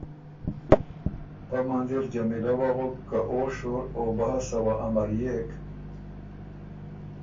پۀ منځ اِر جمیلۀ وغُک که او شور او بحث وه امريېک